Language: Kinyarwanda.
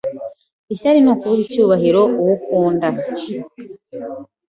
Ishyari ni ukubura icyubahiro uwo ukunda